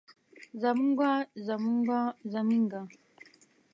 زمونږه زمونګه زمينګه